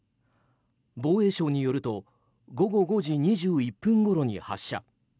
防衛省によると午後５時２１分ごろに発射。